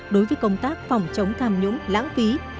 đối với công tác phòng chống tham nhũng lãng phí